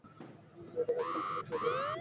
মেয়েটাকে আমি বিছানায় শুইয়ে দিলাম।